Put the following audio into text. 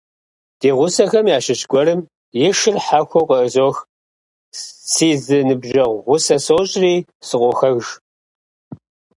Ди гъусэхэм ящыщ гуэрым и шыр хьэхуу къыӀызох, си зы ныбжьэгъу гъусэ сощӀри, сыкъохыж.